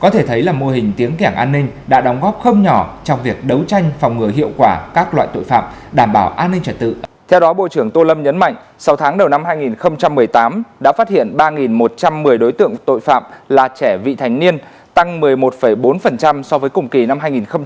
tháng đầu năm hai nghìn một mươi tám đã phát hiện ba một trăm một mươi đối tượng tội phạm là trẻ vị thành niên tăng một mươi một bốn so với cùng kỳ năm hai nghìn một mươi bảy